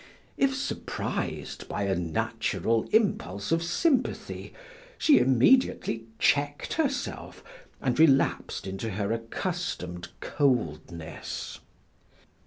If surprised by a natural impulse of sympathy, she immediately checked herself and relapsed into her accustomed coldness.